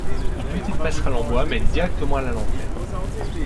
Une petite passerelle en bois mène directement à la lanterne.